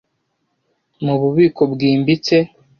mu bubiko bwimbitse.